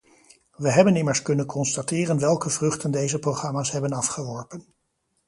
We hebben immers kunnen constateren welke vruchten deze programma's hebben afgeworpen.